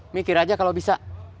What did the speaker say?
mikir aja kalau bisa